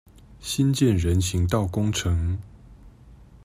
新建人行道工程